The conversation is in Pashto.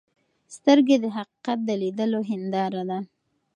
سترګې د حقیقت د لیدلو هنداره ده.